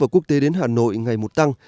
quốc tế đến hà nội ngày một tăng